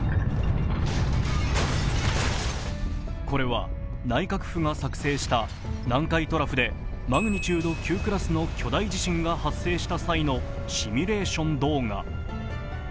これは内閣府が作成した南海トラフでマグニチュード９クラスの巨大地震が発生した際のシミュレーション動画。